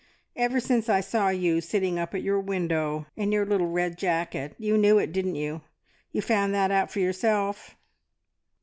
Ever since I saw you sitting up at your window in your little red jacket. You knew it, didn't you? You found that out for yourself?"